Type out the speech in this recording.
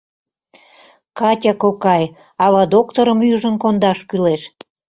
— Катя кокай, ала докторым ӱжын кондаш кӱлеш?